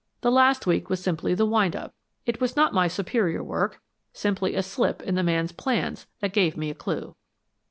The last week was simply the windup. It was not my superior work merely a slip in the man's plans that gave me a clue."